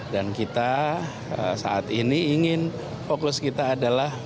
dan kita saat ini ingin fokus kita adalah